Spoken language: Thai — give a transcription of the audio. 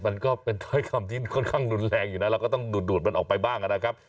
มันก็เป็นถ้อยคำที่ค่อนข้างรุนแรงอยู่นะเราก็ต้องดูดมันออกไปบ้างนะครับ